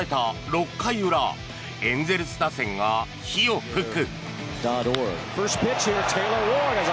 ６回裏エンゼルス打線が火を噴く。